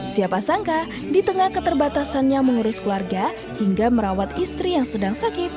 siapa sangka di tengah keterbatasannya mengurus keluarga hingga merawat istri yang sedang sakit